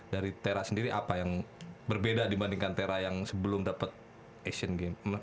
dari tera sendiri apa yang berbeda dibandingkan tera yang sebelum dapet asian games